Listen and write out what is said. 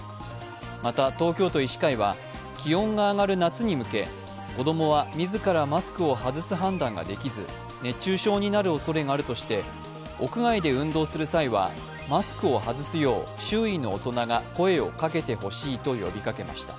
また、東京都医師会は気温が上がる夏に向け子供は自らマスクを外す判断ができず熱中症になるおそれがあるとして屋外で運動する場合はマスクを外すよう周囲の大人が声をかけてほしいと呼びかけました。